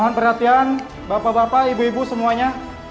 mohon perhatian bapak bapak ibu ibu semuanya